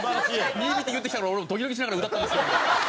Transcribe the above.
目見て言ってきたから俺もドキドキしながら歌ったんですけども。